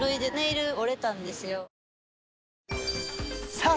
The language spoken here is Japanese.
さあ